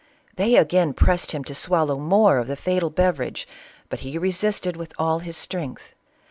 They again pressed him to swallow more of the fatal beverage, but he re sisted with all his strength.